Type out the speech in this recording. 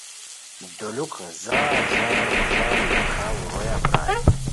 دولوک ݱار ݱار غوزار لاکھاؤ رویہ پرائے